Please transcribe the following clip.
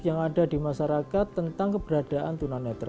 yang ada di masyarakat tentang keberadaan tunanetra